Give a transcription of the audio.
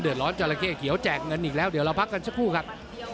ร้อนจราเข้เขียวแจกเงินอีกแล้วเดี๋ยวเราพักกันสักครู่ครับ